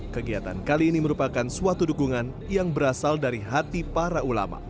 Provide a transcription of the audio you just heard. kegiatan kali ini merupakan suatu dukungan yang berasal dari hati para ulama